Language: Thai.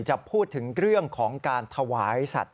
จะพูดถึงเรื่องของการถวายสัตว์